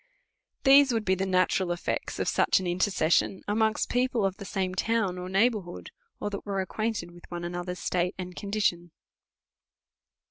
These would be the natural effects of such an intercession amongst people of the same town or neighbourhood, or that were acquainted with one another's state and condition.